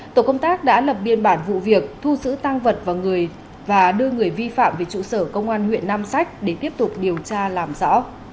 tổ công tác đã lập biên bản vụ việc thu xử tăng vật và người và đưa người vi phạm về trụ sở công an huyện nam sách để tiếp tục điều tra làm rõ